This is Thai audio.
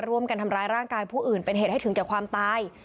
ร่วมกันทำร้ายร่างกายผู้อื่นเป็นเหตุให้ถึงแก่ความตาย